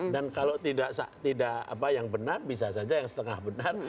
dan kalau tidak yang benar bisa saja yang setengah benar